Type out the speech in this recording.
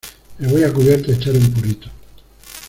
me voy a cubierta a echar un purito